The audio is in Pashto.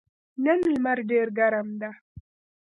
نن لمر ډېر ګرم ده.